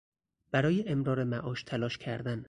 برای امرار معاش تلاش کردن